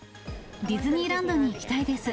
ディズニーランドに行きたいです。